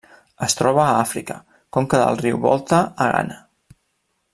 Es troba a Àfrica: conca del riu Volta a Ghana.